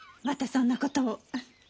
またそんなことを。